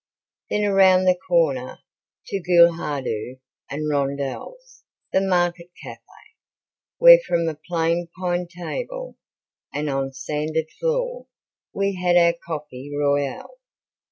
Then around the corner to Gouailhardou & Rondel's, the Market Cafe, where from a plain pine table, and on sanded floor, we had our coffee royal.